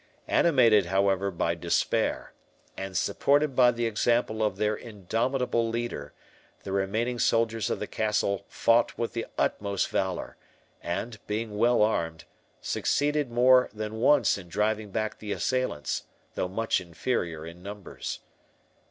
Animated, however, by despair, and supported by the example of their indomitable leader, the remaining soldiers of the castle fought with the utmost valour; and, being well armed, succeeded more than once in driving back the assailants, though much inferior in numbers.